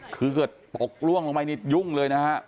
คือเกิดตกล่วงลงไปนี่ยุ่งเลยนะฮะ